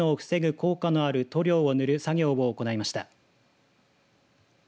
効果のある塗料を塗る作業を行いました。